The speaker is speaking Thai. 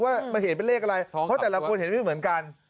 ว่ามันเห็นเป็นเลขอะไรเพราะแต่ละคนเห็นไม่เหมือนกัน